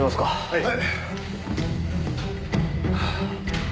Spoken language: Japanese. はい。